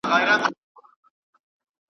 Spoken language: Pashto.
په زرګونو به تر تېغ لاندي قتلیږي .